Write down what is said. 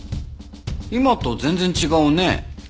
今と全然違うね。